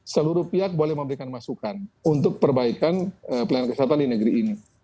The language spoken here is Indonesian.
seluruh pihak boleh memberikan masukan untuk perbaikan pelayanan kesehatan di negeri ini